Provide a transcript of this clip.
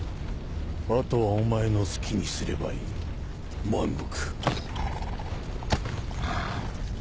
あとはお前の好きにすればいい万極。